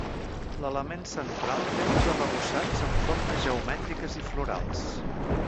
L'element central té uns arrebossats amb formes geomètriques i florals.